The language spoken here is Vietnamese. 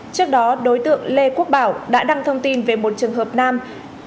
trước đó đối tượng lê quốc bảo đã đăng thông tin về một trường hợp nam